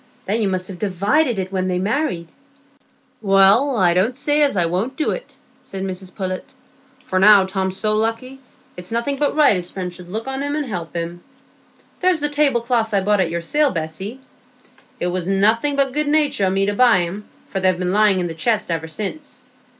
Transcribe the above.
Then you must have divided it when they were married." "Well, I don't say as I won't do it," said Mrs Pullet, "for now Tom's so lucky, it's nothing but right his friends should look on him and help him. There's the tablecloths I bought at your sale, Bessy; it was nothing but good natur' o' me to buy 'em, for they've been lying in the chest ever since.